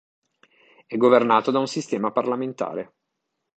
È governato da un sistema parlamentare.